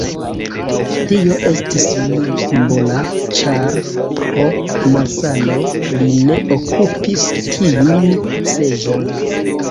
Tio estis nur simbola, ĉar pro malsano li ne okupis tiun seĝon.